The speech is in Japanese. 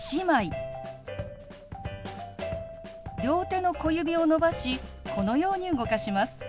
両手の小指を伸ばしこのように動かします。